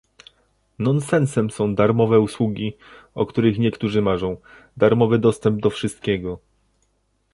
Nonsensem są darmowe usługi, o których niektórzy marzą, darmowy dostęp do wszystkiego